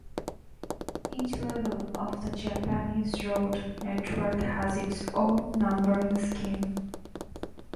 Each level of the Japanese road network has its own numbering scheme.